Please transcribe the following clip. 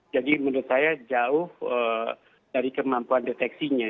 jadi menurut saya jauh dari kemampuan deteksinya